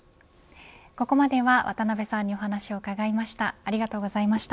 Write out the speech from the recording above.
ここまでは渡辺さんにお話を伺いました。